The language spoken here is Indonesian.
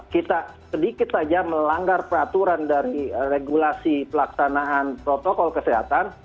kita sedikit saja melanggar peraturan dari regulasi pelaksanaan protokol kesehatan